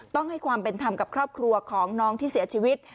ต้องให้ความเป็นธรรมกับครอบครัวของน้องที่เสียชีวิต